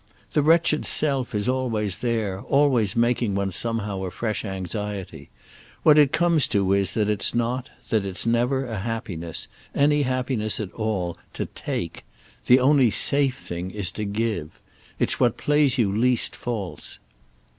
The wretched self is always there, always making one somehow a fresh anxiety. What it comes to is that it's not, that it's never, a happiness, any happiness at all, to take. The only safe thing is to give. It's what plays you least false."